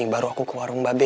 baru aku ke warung mbak be